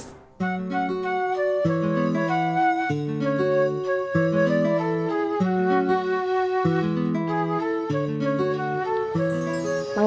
ya dipanggil kang mus